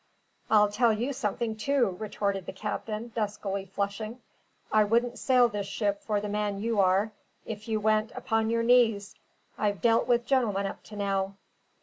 "I'll tell you something, too," retorted the captain, duskily flushing. "I wouldn't sail this ship for the man you are, if you went upon your knees. I've dealt with gentlemen up to now."